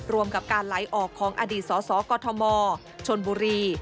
รวมกับการไหลออกของอดีตสสกมชนบุรี